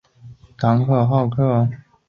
唐克斯特都市自治市以铁路和赛马闻名。